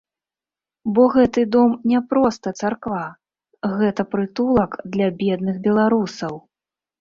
Бо гэты дом не проста царква, гэта прытулак для бедных беларусаў.